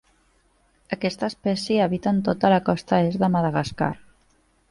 Aquesta espècie habita en tota la costa est de Madagascar.